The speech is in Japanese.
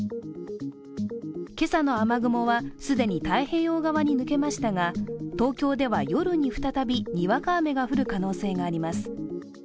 今朝の雨雲は既に太平洋側に抜けましたが東京では夜に再び、にわか雨が降る可能性があります。